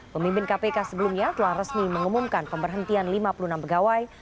pemimpin kpk sebelumnya telah resmi mengumumkan pemberhentian lima puluh enam pegawai